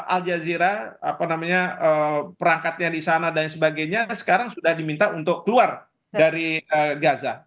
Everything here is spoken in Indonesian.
al jazeera apa namanya perangkatnya di sana dan sebagainya sekarang sudah diminta untuk keluar dari gaza